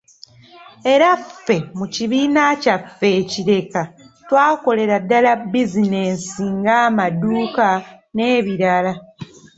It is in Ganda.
Era ffe mu kibiina kyaffe e Kireka, twakolera ddala bizinensi ng’amaduuka, n’ebirala.